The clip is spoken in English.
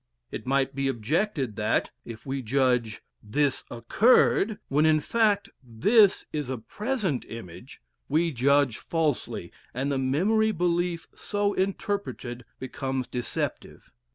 It might be objected that, if we judge "this occurred" when in fact "this" is a present image, we judge falsely, and the memory belief, so interpreted, becomes deceptive.